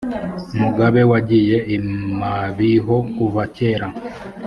mugabe wagiye i mabiho kuva kera